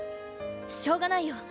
しょうがないよ。